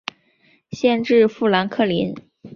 县治富兰克林。